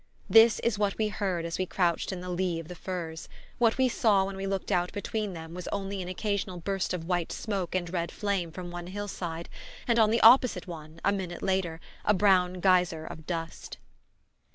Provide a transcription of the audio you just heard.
This is what we heard as we crouched in the lee of the firs: what we saw when we looked out between them was only an occasional burst of white smoke and red flame from one hillside, and on the opposite one, a minute later, a brown geyser of dust.